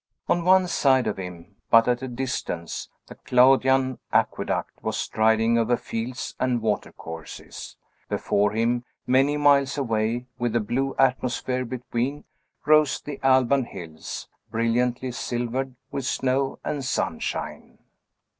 On one side of him, but at a distance, the Claudian aqueduct was striding over fields and watercourses. Before him, many miles away, with a blue atmosphere between, rose the Alban hills, brilliantly silvered with snow and sunshine.